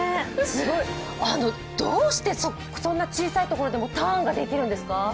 どうしてそんな小さいところでもターンができるんですか？